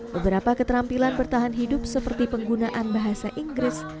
beberapa keterampilan bertahan hidup seperti penggunaan bahasa inggris